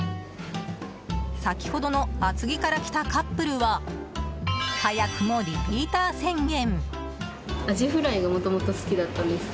先ほどの厚木から来たカップルは早くもリピーター宣言。